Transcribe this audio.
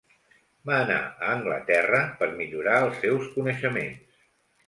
Va anar a Anglaterra per millorar els seus coneixements.